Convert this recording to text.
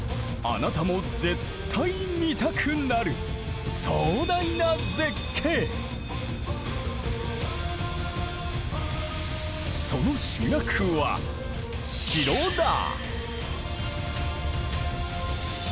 あなたも絶対見たくなるその主役は城だ！